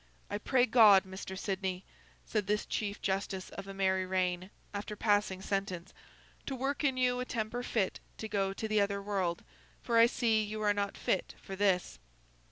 'I pray God, Mr. Sidney,' said this Chief Justice of a merry reign, after passing sentence, 'to work in you a temper fit to go to the other world, for I see you are not fit for this.